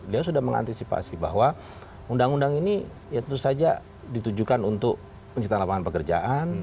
dia sudah mengantisipasi bahwa undang undang ini ya tentu saja ditujukan untuk penciptaan lapangan pekerjaan